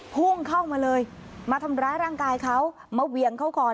พุ่งเข้ามาเลยมาทำร้ายร่างกายเขามาเวียงเขาก่อน